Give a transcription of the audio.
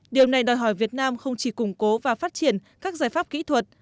điều này đòi hỏi việt nam không chỉ củng cố và phát triển các giải pháp kỹ thuật